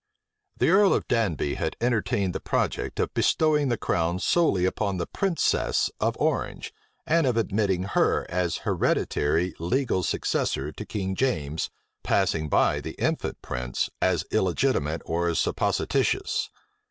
The earl of Danby had entertained the project of bestowing the crown solely upon the princess of Orange, and of admitting her as hereditary legal successor to King James[*] passing by the infant prince, as illegitimate or supposititious.